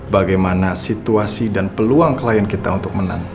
bagaimana situasi dan peluang klien kita untuk menang